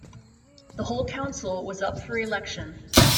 The whole council was up for election.